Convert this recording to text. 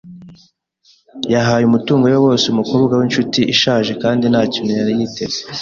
Yahaye umutungo we wose umukobwa w’inshuti ishaje, kandi nta kintu yari yiteze .